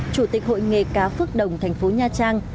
chủ tịch hội nghề cá phước đồng thành phố nha trang